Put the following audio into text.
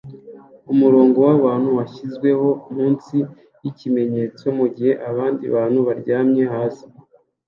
Umurongo wabantu washyizweho munsi yikimenyetso mugihe abandi bantu baryamye hasi